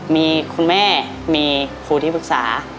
มีคุณแม่มีครูที่ปรึกษา